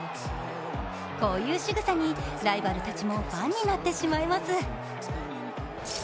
こういうしぐさにライバルたちもファンになってしまいます。